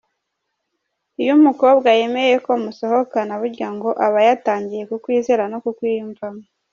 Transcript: Iyo umukobwa yemeye ko musohokana burya ngo aba yatangiye kukwizera no kukwiyumvamo.